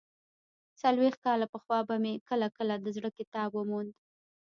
څلوېښت کاله پخوا به مې کله کله د زړه کتاب وموند.